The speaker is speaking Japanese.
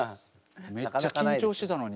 めっちゃ緊張してたのに。